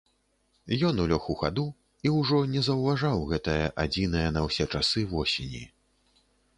Ён улёг у хаду і ўжо не заўважаў гэтае адзінае на ўсе часы восені.